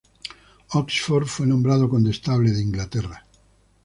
Oxford fue nombrado Condestable de Inglaterra.